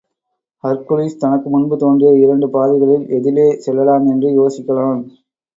ஹர்குலிஸ் தனக்கு முன்பு தோன்றிய இரண்டு பாதைக்களில் எதிலே செல்லலாம் என்று யோசிக்கலான்.